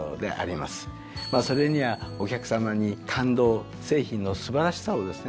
まあそれにはお客さまに感動製品の素晴らしさをですね